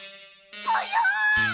ぽよ！